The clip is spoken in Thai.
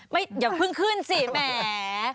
อย่าเพิ่งขึ้นสิแหม